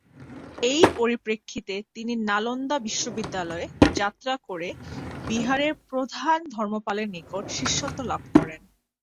এই পরিপ্রেক্ষিতে তিনি নালন্দা বিশ্ববিদ্যালয়ে যাত্রা করে বিহারের প্রধান ধর্মপালের নিকট শিষ্যত্ব লাভ করেন।